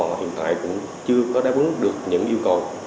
online truyền thống của họ hiện tại cũng chưa có đáp ứng được những yêu cầu